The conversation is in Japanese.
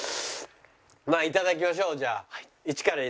まあ頂きましょうじゃあ。